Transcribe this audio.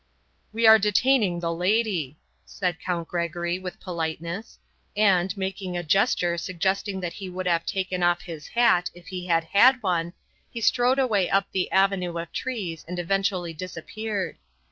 "We are detaining the lady," said Count Gregory, with politeness; and, making a gesture suggesting that he would have taken off his hat if he had had one, he strode away up the avenue of trees and eventually disappeared.